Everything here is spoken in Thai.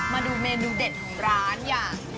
มาดูเมนูเด็ดของร้านอย่าง